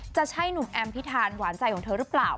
จะใช่หนุ่มแอมพิธานหวานใจของเธอหรือเปล่า